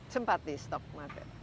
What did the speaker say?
sempat di stok material